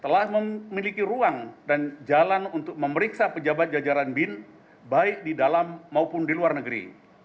telah memiliki ruang dan jalan untuk memeriksa pejabat jajaran bin baik di dalam maupun di luar negeri